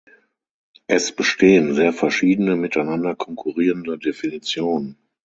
Es bestehen sehr verschiedene, miteinander konkurrierende Definitionen.